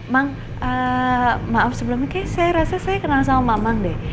mang maaf sebelumnya saya rasa saya kenal sama mamang deh